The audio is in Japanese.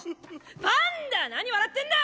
パンダ何笑ってんだ！